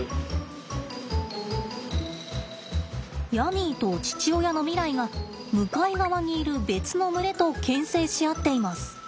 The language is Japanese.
ヤミーと父親のミライが向かい側にいる別の群れとけん制し合っています。